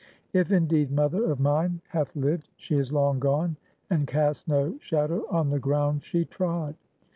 If, indeed, mother of mine hath lived, she is long gone, and cast no shadow on the ground she trod.